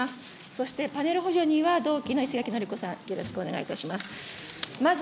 そしてパネル補助には、同期の石垣のりこさん、よろしくお願いいたします。